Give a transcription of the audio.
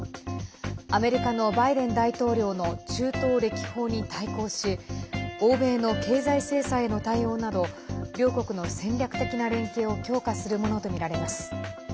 アメリカのバイデン大統領の中東歴訪に対抗し欧米の経済制裁への対応など両国の戦略的な連携を強化するものとみられます。